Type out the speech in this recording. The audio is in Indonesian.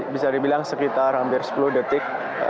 bisa dibilang sekitar hampir sepuluh detik